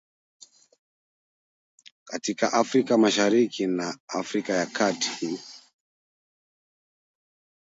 katika Afrika Mashariki na Afrika ya kati